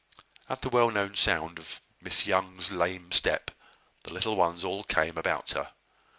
At the well known sound of Miss Young's lame step, the little ones all came about her.